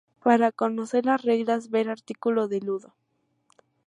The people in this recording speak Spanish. Para conocer las reglas, ver artículo de Ludo.